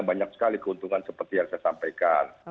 banyak sekali keuntungan seperti yang saya sampaikan